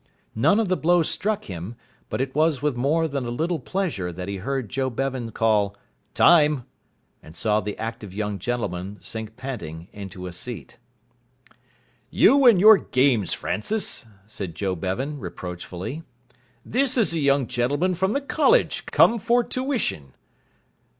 None of the blows struck him, but it was with more than a little pleasure that he heard Joe Bevan call "Time!" and saw the active young gentleman sink panting into a seat. "You and your games, Francis!" said Joe Bevan, reproachfully. "This is a young gentleman from the college come for tuition."